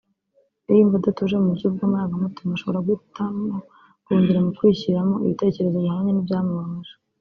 Iyo yumva adatuje mu buryo bw’amarangamutima ashobora guhitamo guhungira mu kwishyiramo ibitekerezo bihabanye n’ibyamubabaje